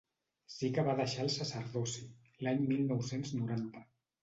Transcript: Sí que va deixar el sacerdoci, l’any mil nou-cents noranta.